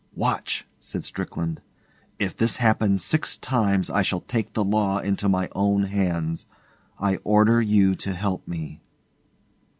'Watch!' said Strickland. 'If this happens six times I shall take the law into my own hands. I order you to help me.